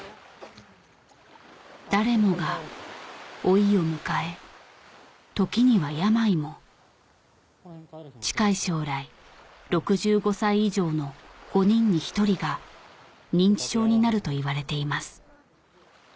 誰もが老いを迎え時には病も近い将来６５歳以上の５人に１人が認知症になるといわれています